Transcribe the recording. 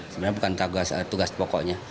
sebenarnya bukan tugas pokoknya